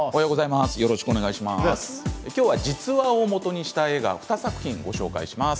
きょうは、実話を基にした映画２作品ご紹介します。